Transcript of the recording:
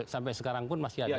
sampai sekarang pun masih ada